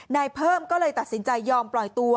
นายเพิ่มก็เลยตัดสินใจยอมปล่อยตัว